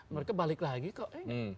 mereka balik lagi kok